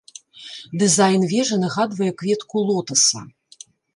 Дызайн вежы нагадвае кветку лотаса.